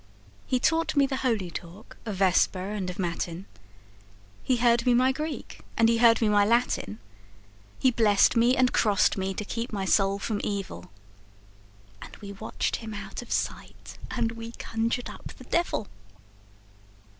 He taught me the holy talk of Vesper and of Matin, He heard me my Greek and he heard me my Latin, He blessed me and crossed me to keep my soul from evil, And we watched him out of sight, and we conjured up the devil!